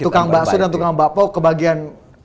tukang bakso dan tukang bakpo kebagian